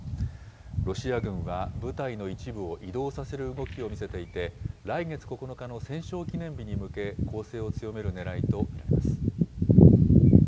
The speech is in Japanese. ロシア軍は部隊の一部を移動させる動きを見せていて、来月９日の戦勝記念日に向け、攻勢を強めるねらいと見られます。